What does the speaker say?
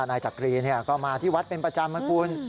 นายจักรีก็มาที่วัดเป็นประจำนะคุณ